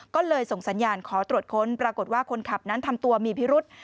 ก็เลยส่งสัญญาณขอตรวจค้นปรากฏว่าคนขับนั้นทำตัวมีพิรุษ